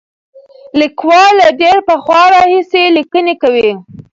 لیکوال له ډېر پخوا راهیسې لیکنې کوي.